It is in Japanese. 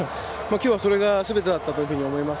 きょうはそれがすべてだったと思います。